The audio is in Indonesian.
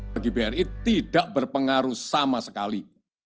bagi bri tidak berpengaruh sama sekali